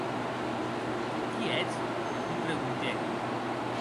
Qui ètz?, li preguntèc.